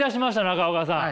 中岡さん。